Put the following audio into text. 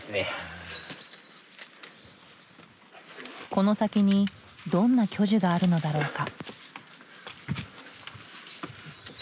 この先にどんな巨樹があるのだろうか？